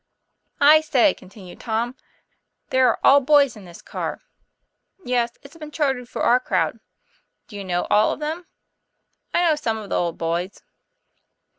" I say," continued Tom, " they're all boys in this car." 'Yes; it's been chartered for our crowd." " Do you know them all ?"' I know some of the old boys."